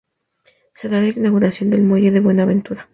Se da la inauguración del muelle de Buenaventura.